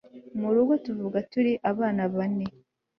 murugo tuvuka turi abana bane